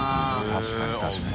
確かに確かに。